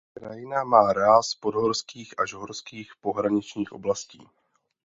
Krajina má ráz podhorských až horských pohraničních oblastí.